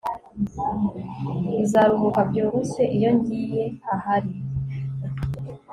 Uzaruhuka byoroshye iyo ngiye ahari